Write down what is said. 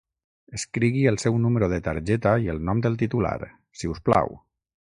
Escrigui el seu número de targeta i el nom del titular, si us plau.